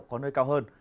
có nơi cao hơn